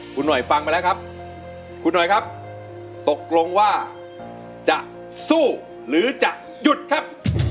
คุณหน่อยฟังไปแล้วครับคุณหน่อยครับตกลงว่าจะสู้หรือจะหยุดครับ